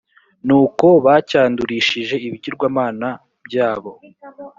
n uko bacyandurishije ibigirwamana byabo